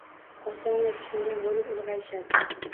Oson va tushungan bo‘lib ulg‘ayishadi.